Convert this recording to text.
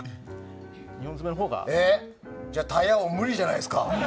じゃあ、タイヤ王無理じゃないですか。